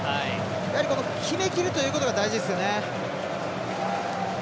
やはり、決めきるということが大事ですよね。